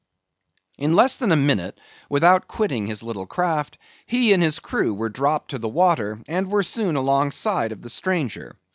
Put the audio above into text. In less than a minute, without quitting his little craft, he and his crew were dropped to the water, and were soon alongside of the stranger.